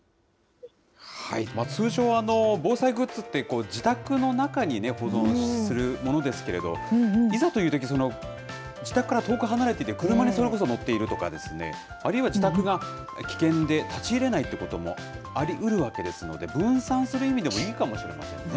通常、防災グッズって自宅の中に保存するものですけれど、いざというとき、自宅から遠く離れてて、車にそれこそ乗っているとか、あるいは自宅が危険で立ち入れないということもありうるわけですので、分散する意味でもいいかもしれませんね。